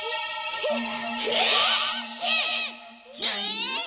へっ！？